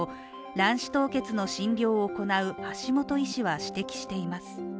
卵子凍結の診療を行う橋本医師は指摘しています。